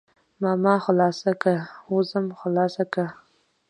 ماما خلاصه که وځم خلاصه که.